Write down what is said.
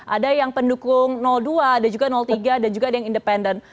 ada yang pendukung dua ada juga tiga dan juga ada yang independen